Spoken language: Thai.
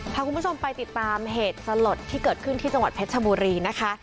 พาคุณผู้ชมไปติดตามเหตุสลดที่เกิดขึ้นที่จังหวัดเพชรชบุรีนะคะ